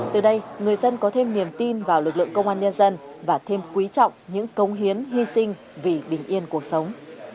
từ đây người dân có thêm niềm tin vào lực lượng công an nhân dân và thêm quý trọng những công hiến hy sinh vì bình yên cuộc sống